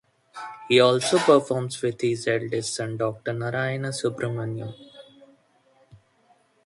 He also performs with his eldest son Doctor Narayana Subramaniam.